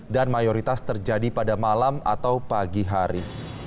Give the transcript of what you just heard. dan mayoritas terjadi pada malam atau pagi hari